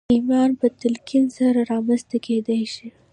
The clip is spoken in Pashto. ايمان په تلقين سره رامنځته کېدای شي.